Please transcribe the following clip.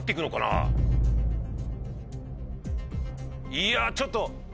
いやちょっと。